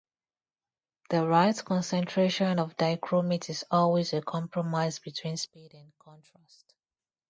The right concentration of dichromate is always a compromise between speed and contrast.